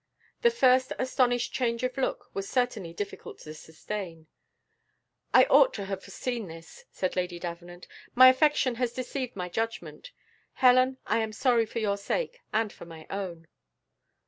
The first astonished change of look, was certainly difficult to sustain. "I ought to have foreseen this," said Lady Davenant; "my affection has deceived my judgment. Helen, I am sorry for your sake, and for my own."